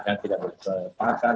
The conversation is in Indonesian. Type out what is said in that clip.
yang tidak berpakat